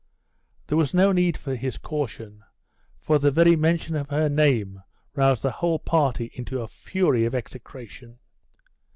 There was no need for his caution; for the very mention of her name roused the whole party into a fury of execration.